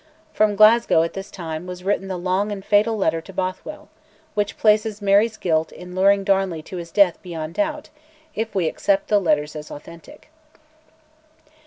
From Glasgow, at this time, was written the long and fatal letter to Bothwell, which places Mary's guilt in luring Darnley to his death beyond doubt, if we accept the letters as authentic.